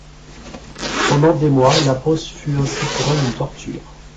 Pendant des mois, la pose fut ainsi pour elle une torture.